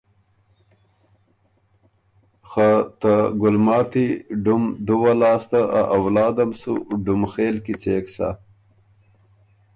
خه ته ګُلماتی ډُم دُوه لاسته ا اولادم سُو ډُمخېل کیڅېک سۀ!